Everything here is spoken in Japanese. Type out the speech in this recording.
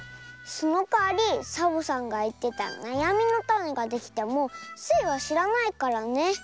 そのかわりサボさんがいってたなやみのタネができてもスイはしらないからね。